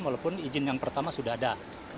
walaupun izin yang pertama sudah ada